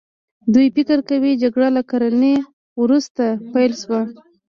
دوی فکر کوي جګړه له کرنې وروسته پیل شوه.